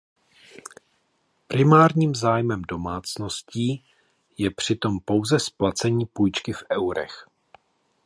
Primárním zájmem domácností je přitom pouze splacení půjčky v eurech.